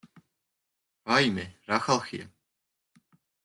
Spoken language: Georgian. ვაიმე, რა ხალხია!